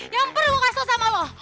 yang perlu gue kasih tau sama lo